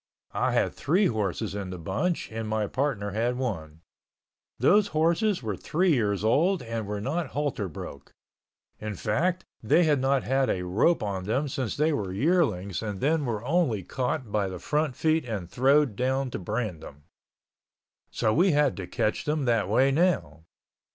I had three horses in the bunch and my partner had one. Those horses were three years old and were not halter broke. In fact, they had not had a rope on them since they were yearlings and then were only caught by the front feet and thrown down to brand them. So, we had to catch them that way now.